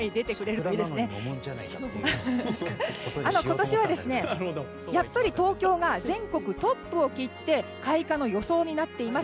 今年はやっぱり東京が全国トップを切って開花の予想になっています。